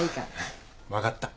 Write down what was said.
分かった。